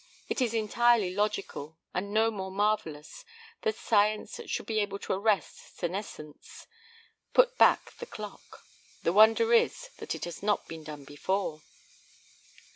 It is entirely logical, and no more marvellous, that science should be able to arrest senescence, put back the clock. The wonder is that it has not been done before."